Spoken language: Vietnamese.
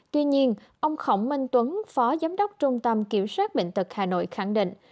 tuy nhiên ông khổng minh tuấn phó giám đốc trung tâm kiểm soát bệnh tật hà nội khẳng định